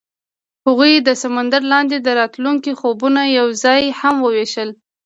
هغوی د سمندر لاندې د راتلونکي خوبونه یوځای هم وویشل.